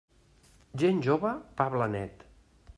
Gent jove, pa blanet.